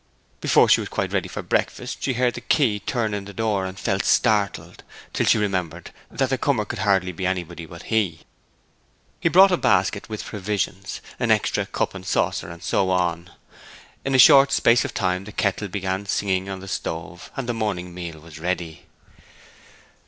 Before she was quite ready for breakfast she heard the key turn in the door, and felt startled, till she remembered that the comer could hardly be anybody but he. He brought a basket with provisions, an extra cup and saucer, and so on. In a short space of time the kettle began singing on the stove, and the morning meal was ready.